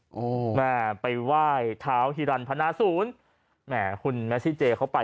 โอ้แหมไปว่ายทาวฮิลันภนาศูนย์แหมคุณแมซี่เจเขาไป